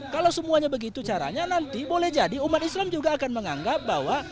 kalau semuanya begitu caranya nanti boleh jadi umat islam juga akan menganggap bahwa